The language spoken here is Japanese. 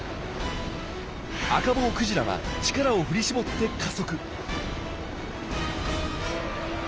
アカボウクジラは力を振り絞って加速。